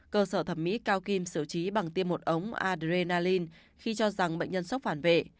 cơ sở thẩm mỹ cao kim xử trí bằng tiêm một ống adreal khi cho rằng bệnh nhân sốc phản vệ